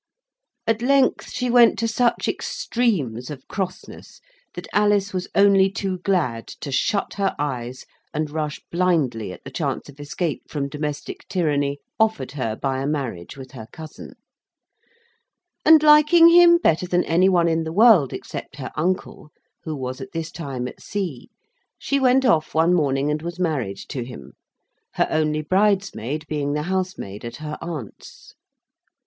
At length she went to such extremes of crossness, that Alice was only too glad to shut her eyes and rush blindly at the chance of escape from domestic tyranny offered her by a marriage with her cousin; and, liking him better than any one in the world except her uncle (who was at this time at sea) she went off one morning and was married to him; her only bridesmaid being the housemaid at her aunt's.